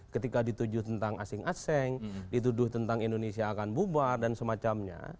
ketika dituju tentang asing asing dituduh tentang indonesia akan bubar dan semacamnya